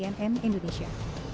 suci bancin cnn indonesia